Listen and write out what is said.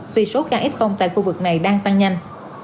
vì số ca f tại khu vực này đang tăng nhanh